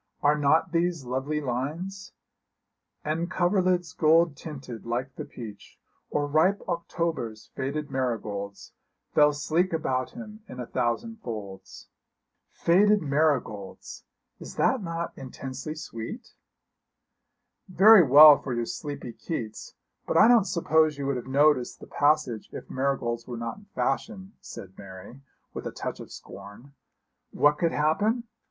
'Are not these lovely lines "And coverlids gold tinted like the peach, Or ripe October's faded marigolds, Fell sleek about him in a thousand folds." Faded marigolds! Is not that intensely sweet?' 'Very well for your sleepy Keats, but I don't suppose you would have noticed the passage if marigolds were not in fashion,' said Mary, with a touch of scorn. 'What could happen?